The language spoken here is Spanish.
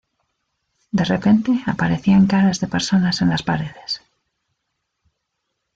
De repente aparecían caras de personas en las paredes.